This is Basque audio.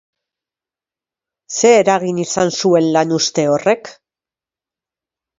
Zer eragin izan zuen lanuzte horrek?